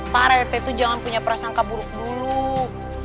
pak rete itu jangan punya perasangka buluk buluk